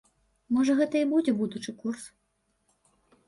Можа гэта і будзе будучы курс?